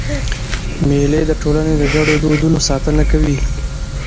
مېلې د ټولني د ګډو دودونو ساتنه کوي.